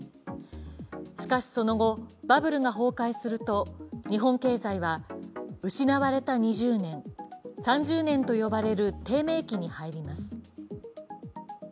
しかしその後、バブルが崩壊すると日本経済は失われた２０年、３０年と呼ばれる低迷期に入ります。